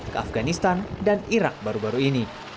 ke afganistan dan irak baru baru ini